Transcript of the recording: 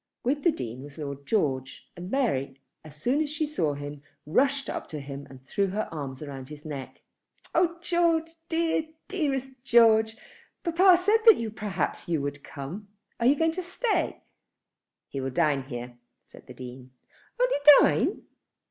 With the Dean was Lord George, and Mary, as soon as she saw him, rushed up to him and threw her arms round his neck. "Oh George, dear, dearest George, papa said that perhaps you would come. You are going to stay?" "He will dine here," said the Dean. "Only dine!"